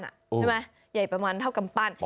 ใช่ไหมใหญ่ประมาณเท่ากำปั้น